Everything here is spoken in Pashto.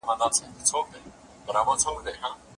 ولي د بیان آزادي شتون نه درلود؟